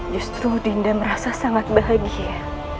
justru dinda merasa sangat bahagia